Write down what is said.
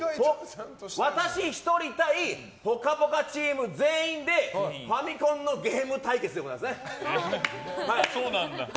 私１人対ぽかぽかチーム全員でファミコンのゲーム対決でございます。